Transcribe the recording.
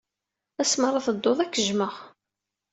Asmi ara tedduḍ, ad k-jjmeɣ.